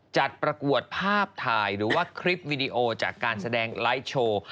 ประกวดภาพถ่ายหรือว่าคลิปวิดีโอจากการแสดงไลฟ์โชว์